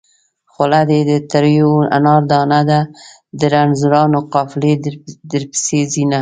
خوله دې د تريو انار دانه ده د رنځورانو قافلې درپسې ځينه